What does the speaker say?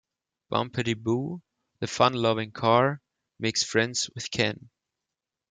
Bumpety Boo, the fun-loving car, makes friends with Ken.